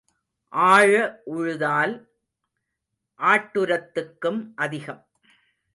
ஆழ உழுதால் ஆட்டுரத்துக்கும் அதிகம்.